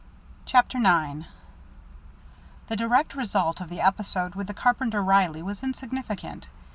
CHAPTER IX The direct result of the episode with the carpenter Reilly was insignificant.